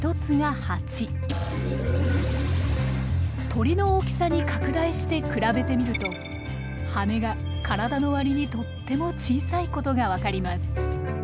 鳥の大きさに拡大して比べてみると羽が体の割にとっても小さいことが分かります。